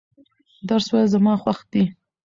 درس ویل زما خوښ دي.